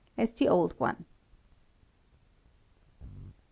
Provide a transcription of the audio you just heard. as the old one. 6.